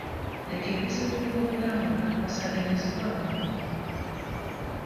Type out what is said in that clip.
Leka ebizibu by'eby'obulamu bikwasaganyizibwe abakugu.